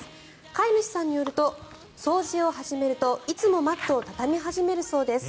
飼い主さんによると掃除を始めるといつもマットを畳み始めるそうです。